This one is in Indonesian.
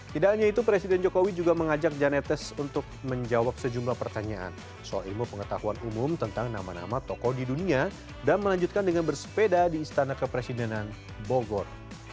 tidak hanya itu presiden jokowi juga mengajak janetes untuk menjawab sejumlah pertanyaan soal ilmu pengetahuan umum tentang nama nama tokoh di dunia dan melanjutkan dengan bersepeda di istana kepresidenan bogor